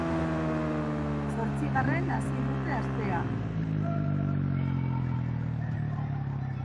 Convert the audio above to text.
Zortzigarren hasi dute astea.